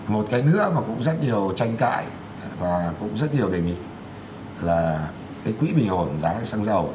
một cái nữa mà cũng rất nhiều tranh cãi và cũng rất nhiều đề nghị là cái quỹ bình ổn giá xăng dầu